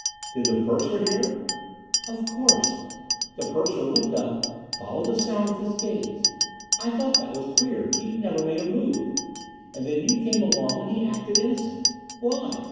"Did the purser hear him?" "Of course. The purser looked up, followed the sound with his gaze. I thought that was queer. He never made a move. And then you came along and he acted innocent. Why?